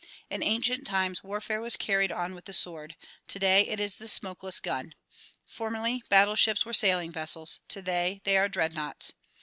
In ancient times warfare was carried on with the sword ; today it is the smoke less gun. Formerly battleships were sailing vessels; today they are dreadnoughts.